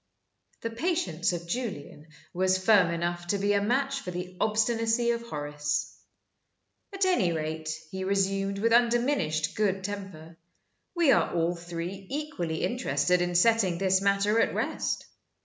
The patience of Julian was firm enough to be a match for the obstinacy of Horace. "At any rate," he resumed, with undiminished good temper, "we are all three equally interested in setting this matter at rest.